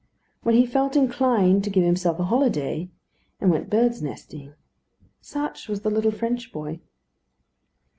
When he felt inclined he gave himself a holiday, and went birds' nesting. Such was the little French boy.